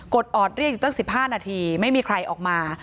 อดออดเรียกอยู่ตั้ง๑๕นาทีไม่มีใครออกมา